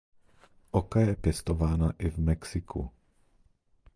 Oka je pěstována i v Mexiku.